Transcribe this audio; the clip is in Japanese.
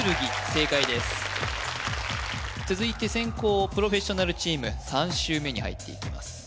正解です続いて先攻プロフェッショナルチーム３周目に入っていきます